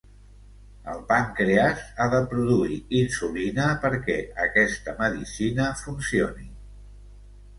El pàncrees ha de produir insulina perquè aquesta medicina funcioni.